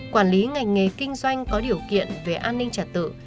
quản lý ngành nghề kinh doanh có điều kiện về an ninh trật tự